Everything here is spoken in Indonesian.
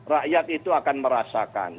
rakyat itu akan merasakan